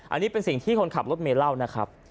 อันนี้เป็นสิ่งที่คนขับรถเมย์เล่านะครับ